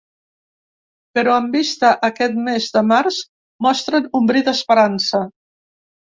Però amb vista a aquest mes de març mostren un bri d’esperança.